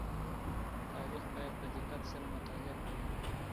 تاريخ بايد په دقت سره مطالعه کړئ.